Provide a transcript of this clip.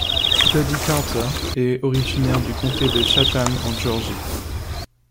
Buddy Carter est originaire du comté de Chatham en Géorgie.